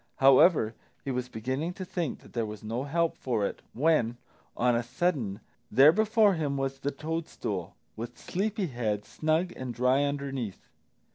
However, he was beginning to think that there was no help for it, when, on a sudden, there before him was the toadstool, with Sleepy head snug and dry underneath!